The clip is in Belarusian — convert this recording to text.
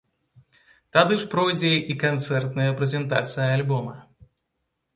Тады ж пройдзе і канцэртная прэзентацыя альбома.